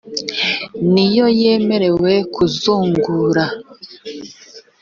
niyo yemerewe kuzungura